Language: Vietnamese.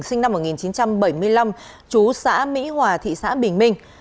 sinh năm một nghìn chín trăm bảy mươi năm chú xã mỹ hòa thị xã bình minh